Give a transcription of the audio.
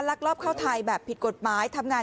ลักลอบเข้าไทยแบบผิดกฎหมาย